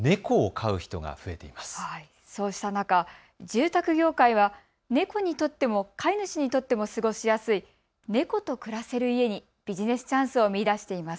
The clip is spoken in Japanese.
そうした中、住宅業界は猫にとっても飼い主にとっても過ごしやすい猫と暮らせる家にビジネスチャンスを見いだしています。